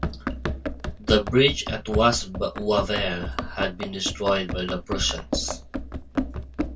The bridge at Bas-Wavre had been destroyed by the Prussians.